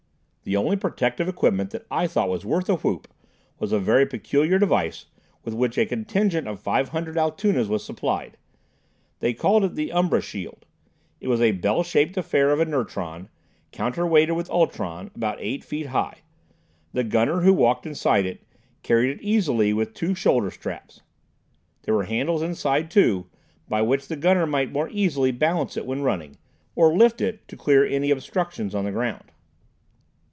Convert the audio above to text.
The only protective equipment that I thought was worth a whoop was a very peculiar device with which a contingent of five hundred Altoonas was supplied. They called it the "umbra shield." It was a bell shaped affair of inertron, counterweighted with ultron, about eight feet high. The gunner, who walked inside it, carried it easily with two shoulder straps. There were handles inside too, by which the gunner might more easily balance it when running, or lift it to clear any obstructions on the ground.